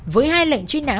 với hai lệnh truy nã